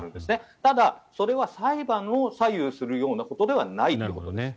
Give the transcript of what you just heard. ただ、それは裁判を左右するようなことではないということです。